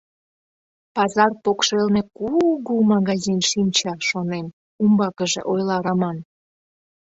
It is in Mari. —...Пазар покшелне ку-угу магазин шинча, шонем, — умбакыже ойла Раман.